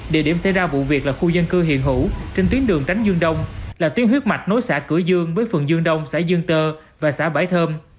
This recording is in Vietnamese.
địa điểm xảy ra vụ việc là khu dân cư hiện hữu trên tuyến đường tránh dương đông là tuyến huyết mạch nối xã cửa dương với phường dương đông xã dương tơ và xã bãi thơm